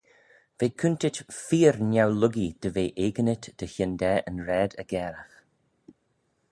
V'eh coontit feer neu-luckee dy ve eginit dy hyndaa yn raad aggairagh.